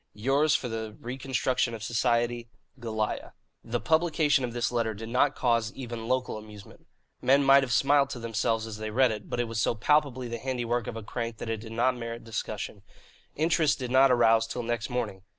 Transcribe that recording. "Yours for the reconstruction of society, "GOLIAH." The publication of this letter did not cause even local amusement. Men might have smiled to themselves as they read it, but it was so palpably the handiwork of a crank that it did not merit discussion. Interest did not arouse till next morning.